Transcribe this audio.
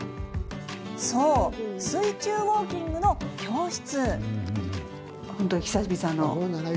そう、水中ウォーキングの教室。